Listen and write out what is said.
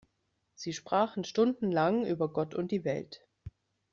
Sie sprachen stundenlang über Gott und die Welt.